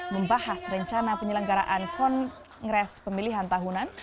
membahas rencana penyelenggaraan kongres pemilihan tahunan